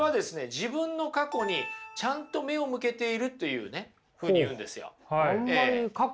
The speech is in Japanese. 自分の過去にちゃんと目を向けているというふうに言うんですよ。